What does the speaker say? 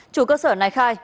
chủ cơ sở này khai